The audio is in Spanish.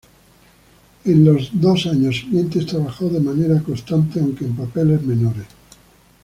En los dos años siguientes trabajó de manera constante, aunque en papeles menores.